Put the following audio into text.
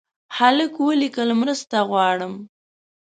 هلک ولیکل مرسته غواړم.